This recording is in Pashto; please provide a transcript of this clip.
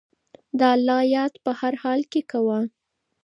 د الله یاد په هر حال کې کوه.